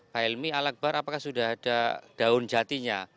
pak helmi al akbar apakah sudah ada daun jatinya